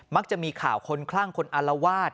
มักจะมีข่าวคนคลั่งคนอลวาด